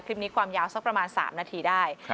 คลิปนี้ความยาวสักประมาณ๓นาทีได้